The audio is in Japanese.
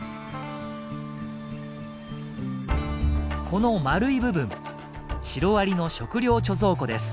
この丸い部分シロアリの食料貯蔵庫です。